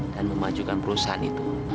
dan memajukan perusahaan itu